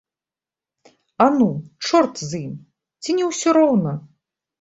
Ану, чорт і з ім, ці не ўсё роўна?